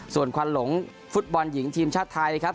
ส่วนควันหลงฟุตบอลหญิงทีมชาติไทยครับ